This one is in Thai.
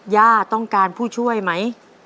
ย่าต้องการผู้ช่วยไหม